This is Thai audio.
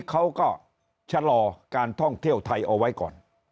เขาก็ชะลอการท่องเที่ยวไทยเอาไว้ก่อน